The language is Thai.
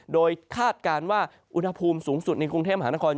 โดยคาดการณ์ว่าอุณหภูมิสูงสุดในกรุงเทพมหานคร